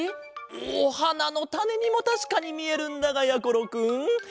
おはなのたねにもたしかにみえるんだがやころくんハズレットだ。